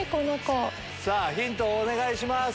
ヒントをお願いします。